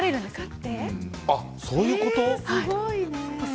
そういうこと？